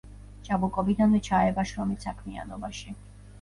ჭაბუკობიდანვე ჩაება შრომით საქმიანობაში.